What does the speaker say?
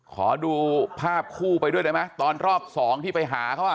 ขอดูภาพคู่ไปด้วยได้ไหมตอนรอบสองที่ไปหาเขาอ่ะ